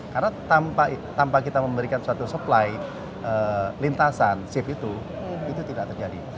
karena tanpa kita memberikan suatu supply lintasan ship itu itu tidak terjadi